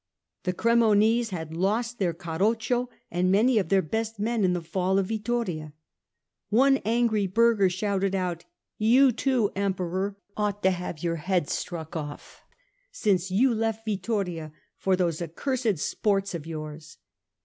The Cremonese had lost their Carroccio and many of their best men in the fall of Vittoria. One angry burgher shouted out :" You too, Emperor, ought to have your head struck off, since you left Vittoria for those accursed sports of yours."